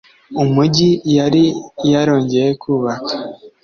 umugi yari yarongeye kubaka